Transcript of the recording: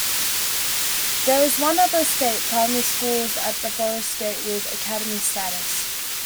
There is one other state primary schools at Forest Gate with Academy status.